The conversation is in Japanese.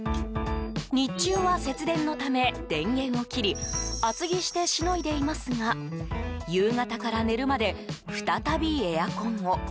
日中は節電のため電源を切り厚着してしのいでいますが夕方から寝るまで再びエアコンを。